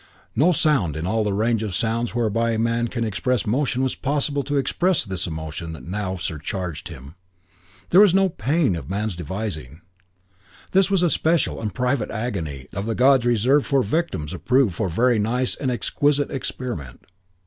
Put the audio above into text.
No sound in all the range of sounds whereby man can express emotion was possible to express this emotion that now surcharged him. This was no pain of man's devising. This was a special and a private agony of the gods reserved for victims approved for very nice and exquisite experiment.